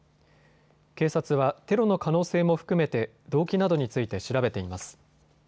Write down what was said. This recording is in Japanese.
警察はテロの可能性も含めて動機などについて調べています。